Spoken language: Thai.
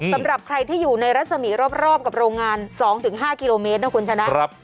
สำหรับใครที่อยู่ในรัศมีร์รอบกับโรงงาน๒๕กิโลเมตรนะคุณชนะ